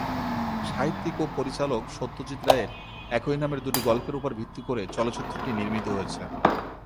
সাহিত্যিক ও পরিচালক সত্যজিৎ রায়ের একই নামের দুটি গল্পের উপর ভিত্তি করে চলচ্চিত্রটি নির্মিত হয়েছে।